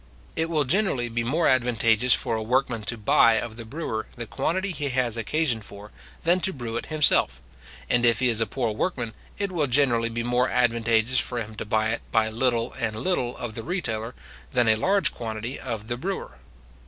It will generally be more advantageous for a workman to buy of the brewer the quantity he has occasion for, than to brew it himself; and if he is a poor workman, it will generally be more advantageous for him to buy it by little and little of the retailer, than a large quantity of the brewer.